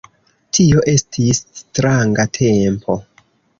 Tio estis stranga tempo!